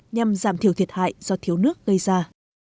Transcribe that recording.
nhằm giảm thiểu thiệt hại do thiếu nước gây ra